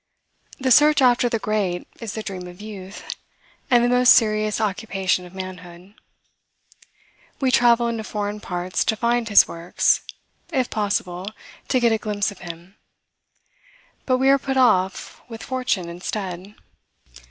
The search after the great is the dream of youth, and the most serious occupation of manhood. We travel into foreign parts to find his works, if possible, to get a glimpse of him. But we are put off with fortune instead.